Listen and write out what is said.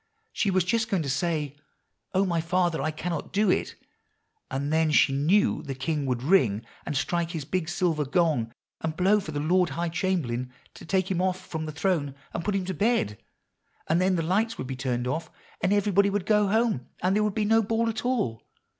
She was just going to say, 'Oh, my father! I cannot do it;' and then she knew the king would ring, and strike his big silver gong, and blow for the Lord High Chamberlain to take him off from the throne and put him to bed, and then the lights would be turned out, and everybody would go home, and there would be no Ball at all.